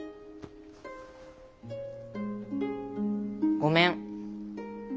ごめん。